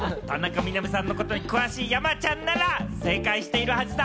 田中みな実さんのことに詳しい山ちゃんなら正解してるはずだ。